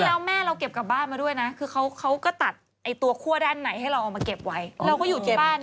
แล้วแม่เราเก็บกลับบ้านมาด้วยนะคือเขาก็ตัดตัวคั่วด้านไหนให้เราเอามาเก็บไว้เราก็อยู่ที่บ้าน